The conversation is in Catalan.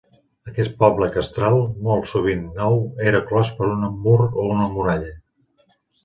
Aquest poble castral, molt sovint nou, era clos per un mur o una muralla.